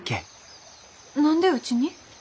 何でうちに？